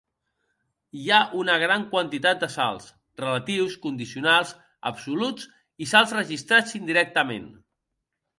Hi ha una gran quantitat de salts: relatius, condicionals, absoluts i salts registrats indirectament.